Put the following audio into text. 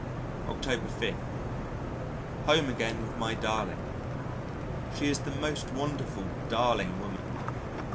October 5. Home again with my darling. She is the most wonderful darling woman.